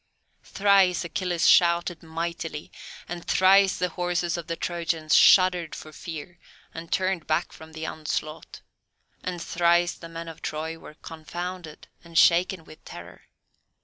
Thrice Achilles shouted mightily, and thrice the horses of the Trojans shuddered for fear and turned back from the onslaught, and thrice the men of Troy were confounded and shaken with terror.